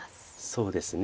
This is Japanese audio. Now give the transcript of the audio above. そうですね。